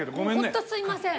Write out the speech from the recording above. ホントすいません。